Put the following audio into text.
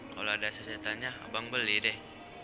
kalo ada sesetanya abang beli deh